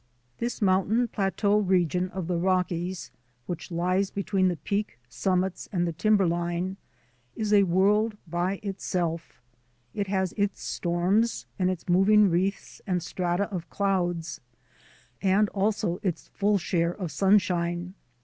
This mountain plateau region of the Rockies which lies between the peak summits and the tim berline is a world by itself. It has its storms and its moving wreaths and strata of clouds, and also its full share of sunshine.